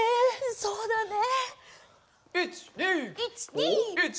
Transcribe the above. そうだね。